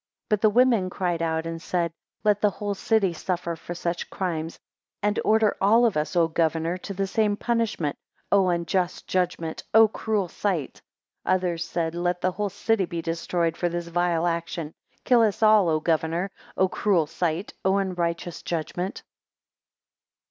13 But the women cried out, and said: Let the whole city suffer for such crimes; and order all of us, O governor, to the same punishment. O unjust judgment! O cruel sight! 14 Others said, Let the whole city be destroyed for this vile action. Kill us all, O governor. O cruel sight! O unrighteous judgment.